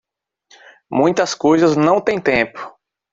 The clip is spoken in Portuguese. Muitas coisas não têm tempo